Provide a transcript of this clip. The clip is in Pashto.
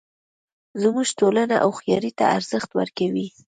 زموږ ټولنه هوښیارۍ ته ارزښت ورکوي